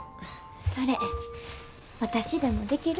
それ私でもできる？